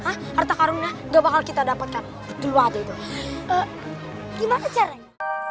harta karunia gak bakal kita dapatkan dulu ada itu gimana caranya